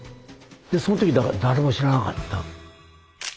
その時だから誰も知らなかった。